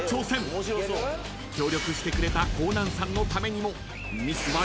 ［協力してくれたコーナンさんのためにも］